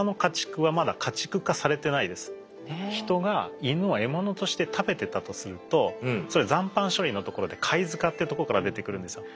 ヒトがイヌを獲物として食べてたとするとそれは残飯処理のところで貝塚っていうとこから出てくるんですよ。